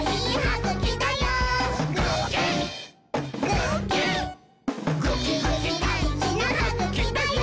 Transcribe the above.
ぐきぐきだいじなはぐきだよ！」